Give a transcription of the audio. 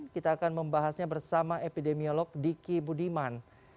kita akan membahasnya bersama epidemiolog diki budiman